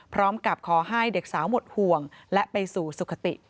พร้อมกับขอให้เด็กสาวหมดห่วงและไปสู่สุขติ